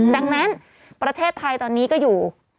ดังนั้นประเทศไทยตอนนี้ก็อยู่